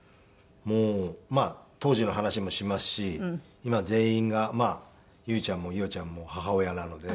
まあ当時の話もしますし今全員が優ちゃんも伊代ちゃんも母親なので。